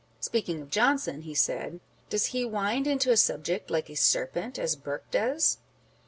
Speaking of Johnson, he said, " Does he wind into a subject like a serpent, as Burke does